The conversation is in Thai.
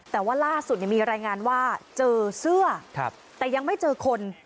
แต่ว่าล่าสุดมีรายงานว่าเจอเสื้อแต่ยังไม่เจอคน